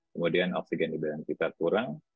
kemudian oksigen di dada kita turang